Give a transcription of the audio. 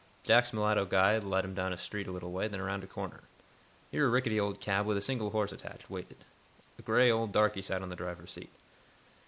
Jack's mulatto guide led him down the street a little way, then around a corner. Here a rickety old cab with a single horse attached, waited. A gray old darkey sat on the driver's seat.